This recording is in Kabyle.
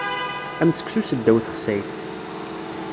Am seksu seddaw texsayt.